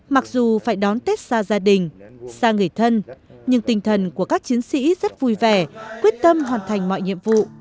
mặc dù phải đón tết xa gia đình xa người thân nhưng tinh thần của các chiến sĩ rất vui vẻ quyết tâm hoàn thành mọi nhiệm vụ